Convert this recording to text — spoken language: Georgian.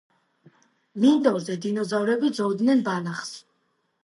მინდორზე დინოზავრები ძოვდნენ ბალახს.